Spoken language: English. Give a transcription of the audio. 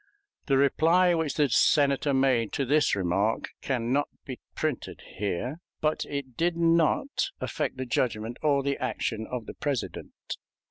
The reply which the Senator made to this remark can not be printed here, but it did not affect the judgment or the action of the President.